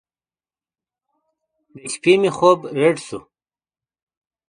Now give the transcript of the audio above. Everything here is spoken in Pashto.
د شپې مې خوب رډ سو.